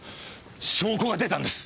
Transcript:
証拠が出たんです！